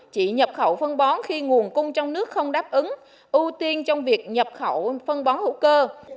chỉ nhập khẩu phân bón khi nguồn cung trong nước không đáp ứng ưu tiên trong việc nhập khẩu phân bón hữu cơ